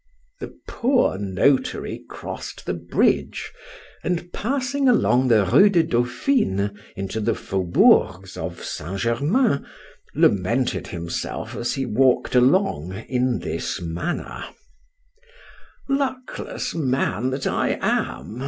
The poor notary crossed the bridge, and passing along the Rue de Dauphine into the fauxbourgs of St. Germain, lamented himself as he walked along in this manner:— Luckless man that I am!